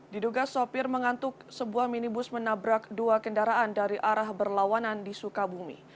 diduga sopir mengantuk sebuah minibus menabrak dua kendaraan dari arah berlawanan di sukabumi